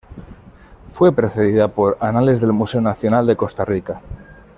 Fue precedida por "Anales del Museo Nacional de Costa Rica".